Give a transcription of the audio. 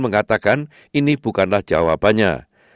mengatakan ini bukanlah jawabannya